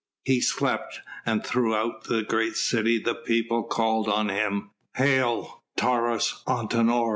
He slept, and throughout the great city the people called on him: "Hail Taurus Antinor!